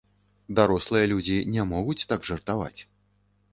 Дарослыя людзі не могуць так жартаваць.